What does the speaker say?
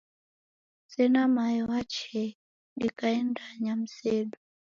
Sena mayo wachee dikaendanya mzedu